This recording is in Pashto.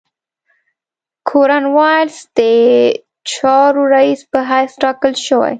کورن والیس د چارو رییس په حیث تاکل شوی.